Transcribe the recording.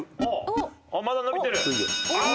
まだ伸びてる。